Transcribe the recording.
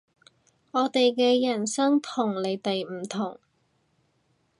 我哋嘅人生同你哋唔同